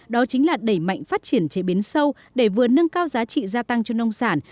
đó chính là đẩy mạnh phát triển chế biến sâu để vừa nâng cao giá trị gia tăng cho nông sản